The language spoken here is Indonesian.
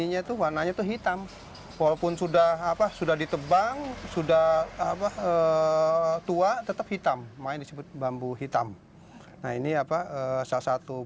untuk barang kerajinan mukodas dan timnya memproduksi dalam jumlah besar jika ada pesanan su misery